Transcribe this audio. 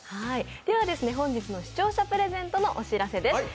では本日の視聴者プレゼントのお知らせです。